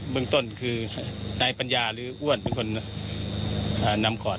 เมืองต้นคือนายปัญญาหรืออ้วนเป็นคนนำก่อน